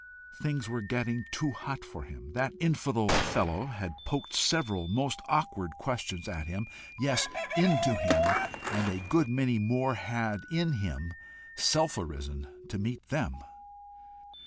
Things were getting too hot for him. That infidel fellow had poked several most awkward questions at him yes, into him, and a good many more had in him self arisen to meet them.